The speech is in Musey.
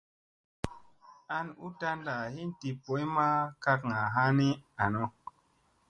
An u tanda hin di boy ma kakŋa ha ni any.